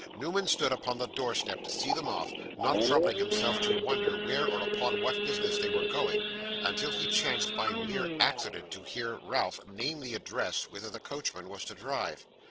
Newman stood upon the door step to see them off, not troubling himself to wonder where or upon what business they were going, until he chanced by mere accident to hear Ralph name the address whither the coachman was to drive.